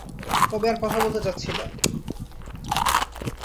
তবে আর কথা বলতে চাচ্ছি না।